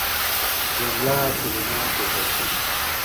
جمله کلمات یوځای کوي.